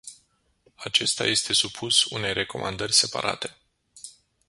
Acesta este supus unei recomandări separate.